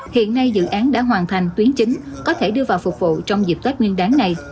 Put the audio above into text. hiện nay dự án đã hoàn thành tuyến chính có thể đưa vào phục vụ trong dịp tết nguyên đáng này